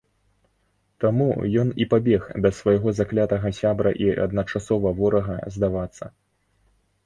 Таму ён і пабег да свайго заклятага сябра і адначасова ворага здавацца.